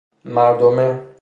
مردمه